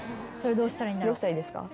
どうしたらいいんですか？